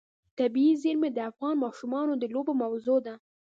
طبیعي زیرمې د افغان ماشومانو د لوبو موضوع ده.